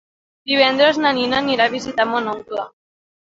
Divendres na Nina anirà a visitar mon oncle.